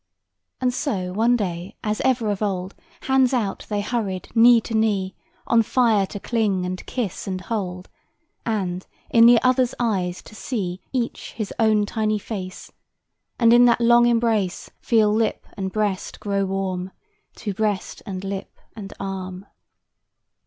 And so one day, as ever of old, Hands out, they hurried, knee to knee; On fire to cling and kiss and hold And, in the other's eyes, to see Each his own tiny face, And in that long embrace Feel lip and breast grow warm To breast and lip and arm.